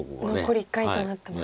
残り１回となってます。